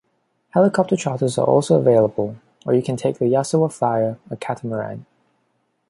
Helicopter charters are also available or you can take the Yasawa Flyer, a catamaran.